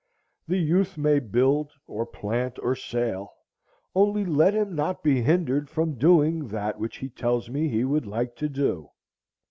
The youth may build or plant or sail, only let him not be hindered from doing that which he tells me he would like to do.